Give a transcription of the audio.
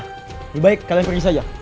lebih baik kalian pergi saja